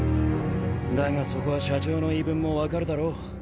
だがそこは社長の言い分も分かるだろ？